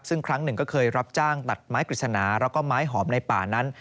ซึ่งครั้งหนึ่งก็เคยรับจ้างตัดไม้กฤษณาแล้วก็ไม้หอมในป่านั้น